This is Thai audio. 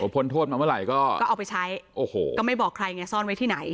พ้นโทษมาเมื่อไหร่ก็เอาไปใช้โอ้โหก็ไม่บอกใครไงซ่อนไว้ที่ไหน